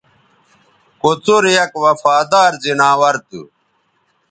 کوڅر یک وفادار زناور تھو